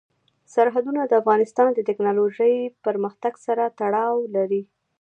سرحدونه د افغانستان د تکنالوژۍ پرمختګ سره تړاو لري.